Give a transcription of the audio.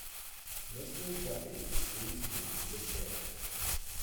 Mr. Guppy retreats behind a chair.